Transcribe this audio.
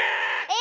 え！